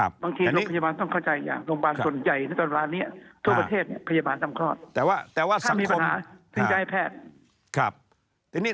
บางทีโรงพยาบาลต้องเข้าใจอย่างโรงพยาบาลส่วนใหญ่ในตอนร้านนี้